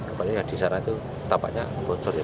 apalagi yang disana itu tampaknya bocor ya